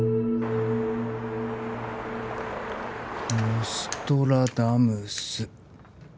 ノストラダムス。